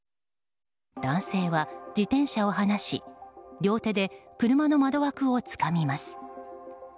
男性は自転車を離し両手で車の窓枠をつかみます。